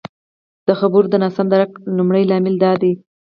د خبرو د ناسم درک لمړی لامل دادی